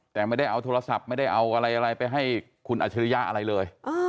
แต่ไม่ได้เอาโทรศัพท์ไม่ได้เอาอะไรไปให้คุณอัจฉริยะอะไรเลย